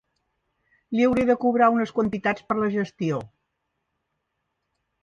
Li hauré de cobrar unes quantitats per la gestió.